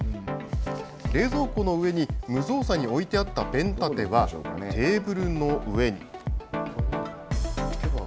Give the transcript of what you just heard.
冷蔵庫の上に無造作に置いてあったペン立てはテーブルの上に。